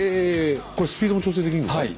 これスピードも調整できるんですか？